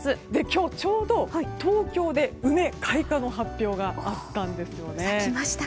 今日ちょうど東京で梅開花の発表があったんですね。